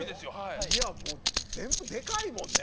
いやもう全部でかいもんね。